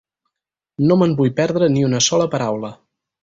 No me'n vull perdre ni una sola paraula.